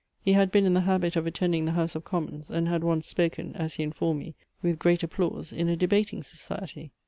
He had been in the habit of attending the House of Commons, and had once spoken, as he informed me, with great applause in a debating society.